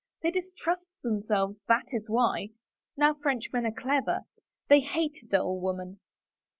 They distrust them selves, that is why. Now Frenchmen are clever — they hate a dull woman."